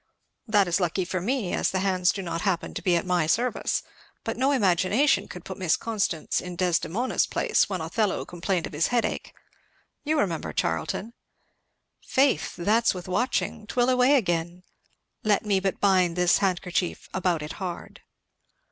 "That is lucky for me, as the hands do not happen to be at my service. But no imagination could put Miss Constance in Desdemona's place, when Othello complained of his headache, you remember, Charlton, ''Faith, that's with watching 'twill away again Let me but bind this handkerchief about it hard.'"